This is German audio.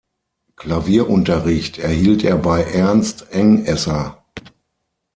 Klavierunterricht erhielt er bei Ernst Engesser.